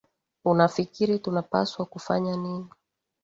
Unafikiri tunapaswa kufanya nini?